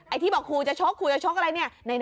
ไอ้ที่บอกครูจะโชคครูจะโชคอะไร